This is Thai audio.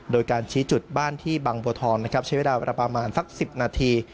โดยการชี้จุดบ้านที่บางบัวทองนะครับใช้เวลาประมาณสัก๑๐นาที